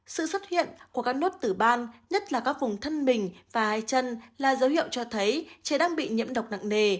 sự xuất hiện của các nốt tử ban nhất là các vùng thân mình và hai chân là dấu hiệu cho thấy trẻ đang bị nhiễm độc nặng nề